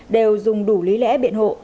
đều dùng đủ lý lẽ biện hộ